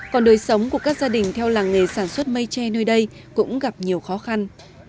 còn đời sống của các gia đình theo làng nghề sản xuất mây tre nơi đây cũng gặp nhiều khó khăn